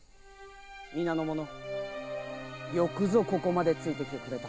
皆の者よくぞここまでついてきてくれた。